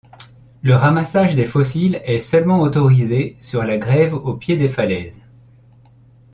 Le ramassage des fossiles est seulement autorisé sur la grève au pied des falaises.